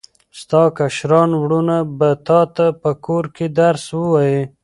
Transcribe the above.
ستا کشران وروڼه به تاته په کور کې درس ووایي.